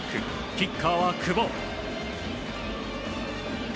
キッカーは久保。